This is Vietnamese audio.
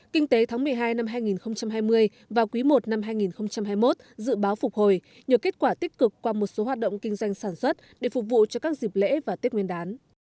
kinh tế tháng một mươi hai năm hai nghìn hai mươi và quý i năm hai nghìn hai mươi một dự báo phục hồi nhờ kết quả tích cực qua một số hoạt động kinh doanh sản xuất để phục vụ cho các dịp lễ và tết nguyên đán